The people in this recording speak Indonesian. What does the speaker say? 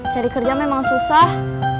cari kerja memang susah